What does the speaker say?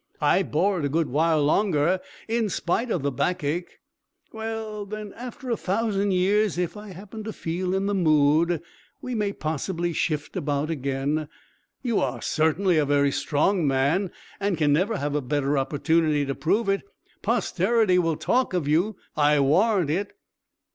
I bore it a good while longer, in spite of the backache. Well, then, after a thousand years, if I happen to feel in the mood, we may possibly shift about again. You are certainly a very strong man, and can never have a better opportunity to prove it. Posterity will talk of you, I warrant it!"